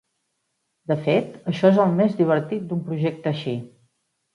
De fet, això és el més divertit d'un projecte així.